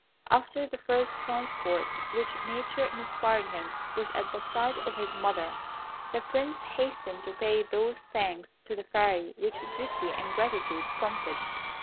After the first transports which nature inspired him with at the sight of his mother, the Prince hastened to pay those thanks to the Fairy which duty and gratitude prompted.